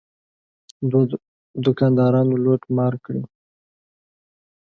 دوکاندارانو لوټ مار کړی.